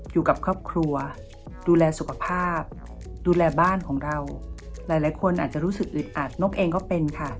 อยู่กับครอบครัวดูแลสุขภาพดูแลบ้านของเราหลายคนอาจจะรู้สึกอึดอัดนกเองก็เป็นค่ะ